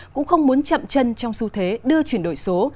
cũng không muốn chậm chân trong xu thế đưa chuyển đổi số